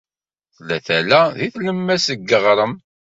Tella tala deg tlemmast n yiɣrem.